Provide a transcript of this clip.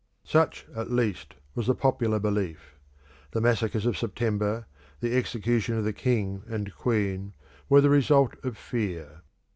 Such at least was the popular belief; The massacres of September, the execution of the king and queen, were the result of fear.